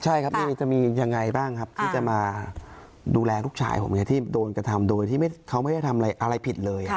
ใช่ครับจะมียังไงบ้างครับที่จะมาดูแลลูกชายผมที่โดนกระทำโดยที่เขาไม่ได้ทำอะไรผิดเลย